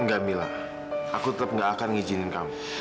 enggak mila aku tetap nggak akan izinin kamu